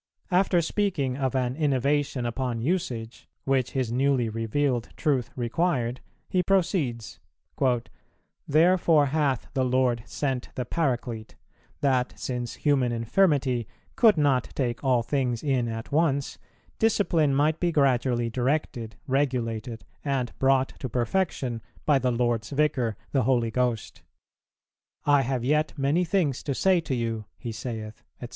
After speaking of an innovation upon usage, which his newly revealed truth required, he proceeds, "Therefore hath the Lord sent the Paraclete, that, since human infirmity could not take all things in at once, discipline might be gradually directed, regulated and brought to perfection by the Lord's Vicar, the Holy Ghost. 'I have yet many things to say to you,' He saith, &c.